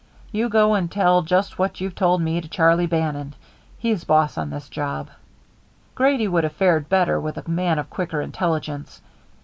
You go and tell just what you've told me to Charlie Bannon. He's boss on this job." Grady would have fared better with a man of quicker intelligence.